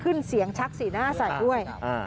เสียงชักสีหน้าใส่ด้วย